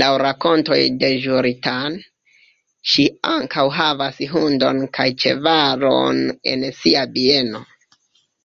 Laŭ rakontoj de Ĵuri-tan, ŝi ankaŭ havas hundon kaj ĉevalon en sia bieno.